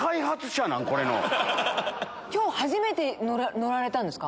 今日初めて乗られたんですか？